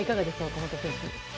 岡本選手。